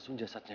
pergi dari sini